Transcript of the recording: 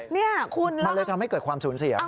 นี่คุณมันเลยทำให้เกิดความสูญเสีย